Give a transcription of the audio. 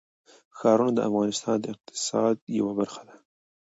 ښارونه د افغانستان د اقتصاد یوه برخه ده.